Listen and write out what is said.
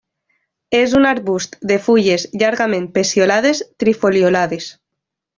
És un arbust de fulles llargament peciolades trifoliolades.